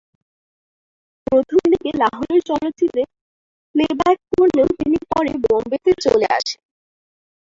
প্রথম দিকে লাহোরের চলচ্চিত্রে প্লেব্যাক করলেও তিনি পরে বোম্বেতে চলে আসেন।